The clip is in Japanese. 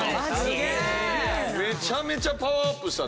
めちゃめちゃパワーアップしたね。